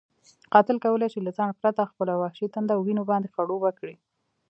قاتل کولی شي له ځنډ پرته خپله وحشي تنده وینو باندې خړوبه کړي.